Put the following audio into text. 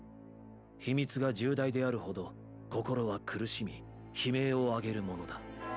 「秘密」が重大であるほど心は苦しみ悲鳴をあげるものだ。